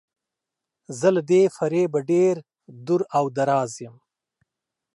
زه له دې فریبه ډیر دور او دراز یم.